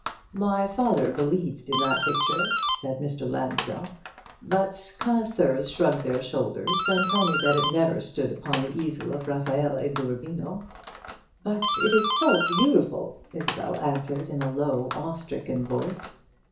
"My father believed in that picture," said Mr. Lansdell; "but connoisseurs shrug their shoulders and tell me that it never stood upon the easel of Raffaelle d'Urbino." "But it is so beautiful," Isabel answered in a low, awe stricken voice.